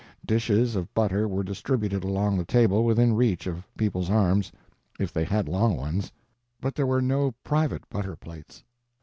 Dishes of butter were distributed along the table within reach of people's arms, if they had long ones, but there were no private butter plates.